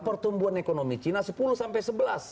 pertumbuhan ekonomi cina sepuluh sampai sebelas